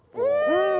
うん！